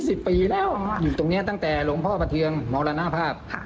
สักยี่สิบปีแล้วอยู่ตรงเนี้ยตั้งแต่หลวงพ่อภัทเทืองมรณภาพ